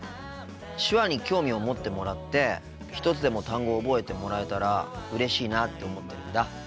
手話に興味を持ってもらって一つでも単語を覚えてもらえたらうれしいなって思ってるんだ。